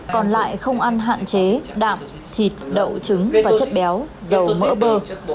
còn lại không ăn hạn chế đạm thịt đậu trứng và chất béo dầu mỡ bơ